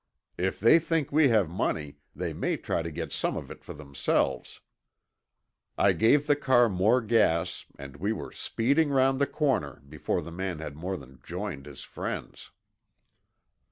"If they think we have money they may try to get some of it for themselves." I gave the car more gas and we were speeding round the corner before the man had more than joined his friends.